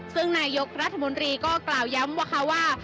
ซึ่งนายกรัฐมนตรีก็กล่าวย้ำว่าค่ะว่า